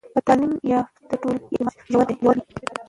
په تعلیم یافته ټولنو کې اعتماد ژور وي.